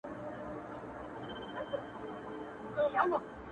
• پښتې ستري تر سترو ـ استثناء د يوې گوتي ـ